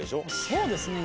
そうですね。